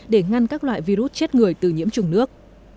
để ngăn các loại virus chết người từ nhiễm trùng nước